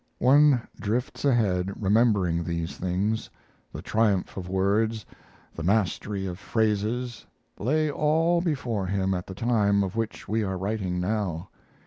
One drifts ahead, remembering these things. The triumph of words, the mastery of phrases, lay all before him at the time of which we are writing now.